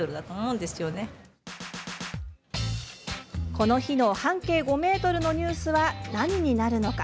この日の「半径５メートル」のニュースは何になるのか。